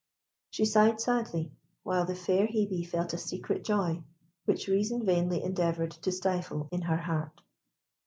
She sighed sadly, while the fair Hebe felt a secret joy which reason vainly endeavoured to stifle in her heart.